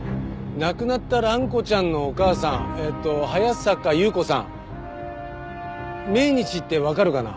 亡くなった蘭子ちゃんのお母さんえっと早坂優子さん命日ってわかるかな？